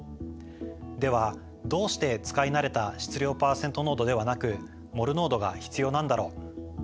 ではどうして使い慣れた質量パーセント濃度ではなくモル濃度が必要なんだろう？